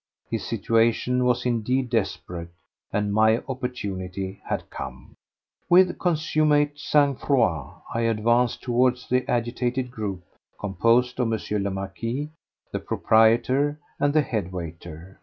His situation was indeed desperate, and my opportunity had come. With consummate sang froid, I advanced towards the agitated group composed of M. le Marquis, the proprietor, and the head waiter.